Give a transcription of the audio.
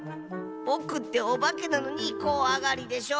ぼくっておばけなのにこわがりでしょ。